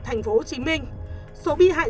tp hcm số bị hại